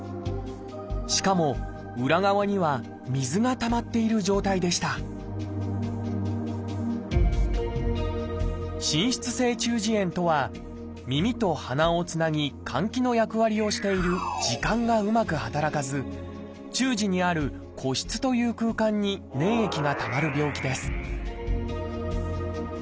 しかも裏側には水がたまっている状態でした「滲出性中耳炎」とは耳と鼻をつなぎ換気の役割をしている耳管がうまく働かず中耳にある「鼓室」という空間に粘液がたまる病気です